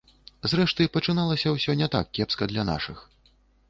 Зрэшты, пачыналася ўсё не так кепска для нашых.